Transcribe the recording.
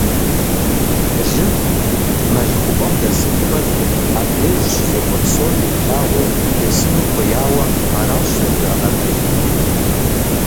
Былым, мэл хъупӏэм дэзыхухэр, абдеж щызекӏуэ псори илъагъуу тесыну хуеяуэ аращ зэрыжаӏэжыр.